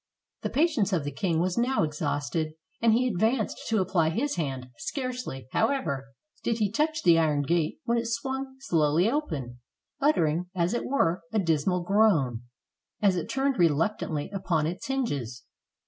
The patience of the king was now exhausted, and he advanced to apply his hand; scarcely, however, did he touch the iron gate, when it swung slowly open, uttering, as it were, a dismal groan, as it turned reluctantly upon its hinges.